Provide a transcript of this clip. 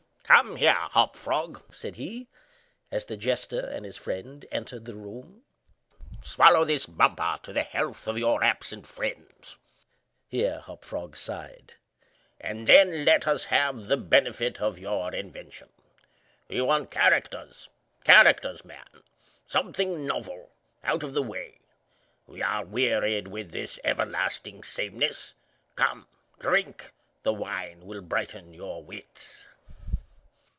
"Come here, Hop Frog," said he, as the jester and his friend entered the room; "swallow this bumper to the health of your absent friends, [here Hop Frog sighed,] and then let us have the benefit of your invention. We want characters—characters, man—something novel—out of the way. We are wearied with this everlasting sameness. Come, drink! the wine will brighten your wits."